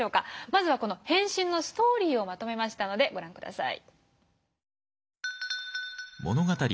まずはこの「変身」のストーリーをまとめましたのでご覧下さい。